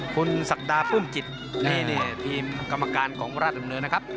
คุณศักดาปลื้มจิตนี่ทีมกรรมการของราชดำเนินนะครับ